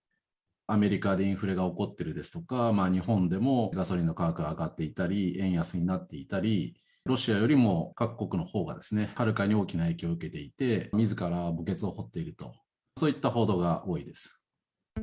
アメリカでインフレが起こっているですとか、日本でもガソリンの価格が上がっていたり、円安になっていたり、ロシアよりも、各国のほうがはるかに大きな影響を受けていて、みずから墓穴を掘っていると、そういった報道が多いです。